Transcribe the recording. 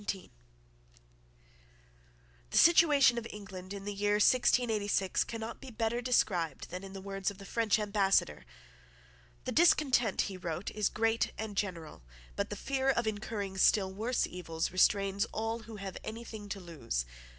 The situation of England in the year 1686 cannot be better described than in the words of the French Ambassador. "The discontent," he wrote, "is great and general: but the fear of incurring still worse evils restrains all who have anything to lose.